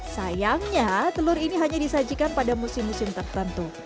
sayangnya telur ini hanya disajikan pada musim musim tertentu